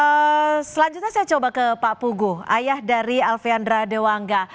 oke selanjutnya saya coba ke pak puguh ayah dari alfeandra dewangga